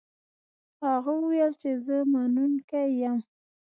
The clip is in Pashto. هغه وویل چې زه منونکی یم.